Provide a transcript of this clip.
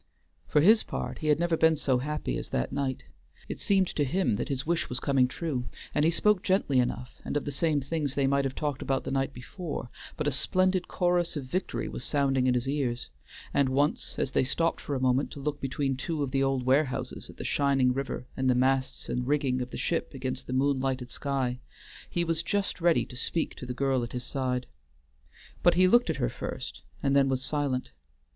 For his part he had never been so happy as that night. It seemed to him that his wish was coming true, and he spoke gently enough and of the same things they might have talked about the night before, but a splendid chorus of victory was sounding in his ears; and once, as they stopped for a moment to look between two of the old warehouses at the shining river and the masts and rigging of the ship against the moonlighted sky, he was just ready to speak to the girl at his side. But he looked at her first and then was silent.